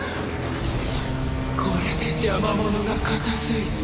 これで邪魔者が片づいた。